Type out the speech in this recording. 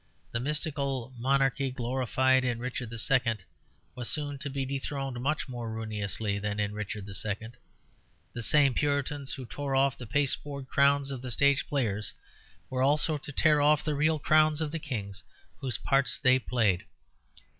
The mystical monarchy glorified in Richard II. was soon to be dethroned much more ruinously than in Richard II. The same Puritans who tore off the pasteboard crowns of the stage players were also to tear off the real crowns of the kings whose parts they played.